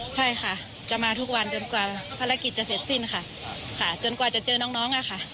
ใช่ค่ะจะมาทุกวันจนกว่าภารกิจจะเสร็จสิ้นค่ะจนกว่าจะเจอน้องอะค่ะ